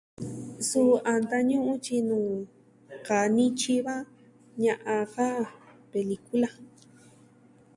Suu a ntañu'un tyi nuu kaa nityi va ña'an ka pelikula.